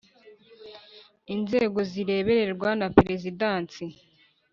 Inzego zirebererwa na Perezidansi